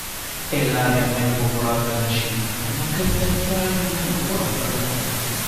È l'area meno popolata della Cina, nonché la terza area meno popolata del mondo.